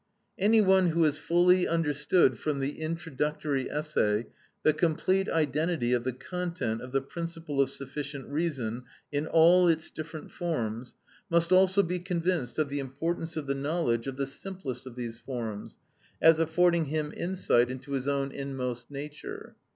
Any one who has fully understood from the introductory essay the complete identity of the content of the principle of sufficient reason in all its different forms, must also be convinced of the importance of the knowledge of the simplest of these forms, as affording him insight into his own inmost nature.